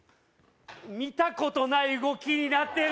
見たことない動きになってる！